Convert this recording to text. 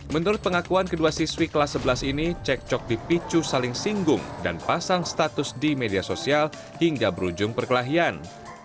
menurut pengakuan kedua siswi kelas sebelas ini cek cok dipicu saling singgung dan pasang status di media sosial hingga berujung perkelahian